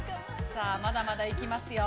◆さあ、まだまだ行きますよ。